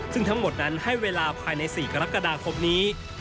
ซึ่งทั้งหมดนั้นให้เวลาภายในสี่กระลับกระดาษครบนี้